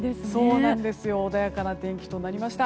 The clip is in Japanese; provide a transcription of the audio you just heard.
穏やかな天気となりました。